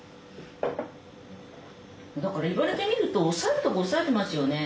だから言われてみるとおさえるとこおさえてますよね。